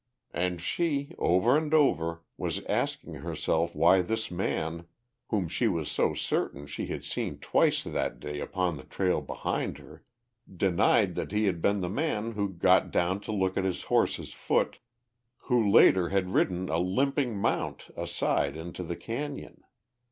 And she, over and over, was asking herself why this man whom she was so certain she had seen twice that day upon the trail behind her, denied that he had been the man who got down to look at his horse's foot, who later had ridden a limping mount aside into the cañon.